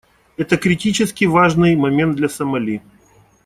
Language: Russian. Это критически важный момент для Сомали.